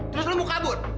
terus lu mau kabur